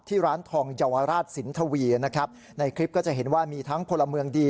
ร้านทองเยาวราชสินทวีนะครับในคลิปก็จะเห็นว่ามีทั้งพลเมืองดี